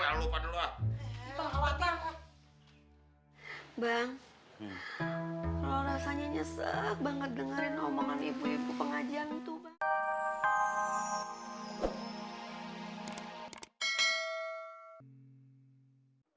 bang rasanya nyesek banget dengerin omongan ibu ibu pengajian tuh bang